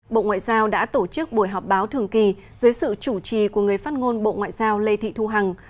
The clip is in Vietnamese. bộ ngoại giao đã tổ chức buổi họp báo thường kỳ dưới sự chủ trì của người phát ngôn bộ ngoại giao lê thị thu hằng